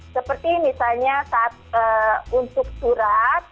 seperti misalnya untuk surat